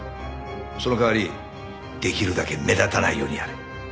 その代わりできるだけ目立たないようにやれ。